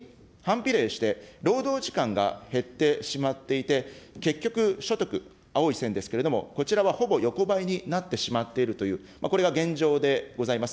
赤い線ですけれども、時給は上がっているんだけれども、それに反比例して、労働時間が減ってしまっていて、結局、所得、青い線ですけれども、こちらはほぼ横ばいになってしまっているという、これが現状でございます。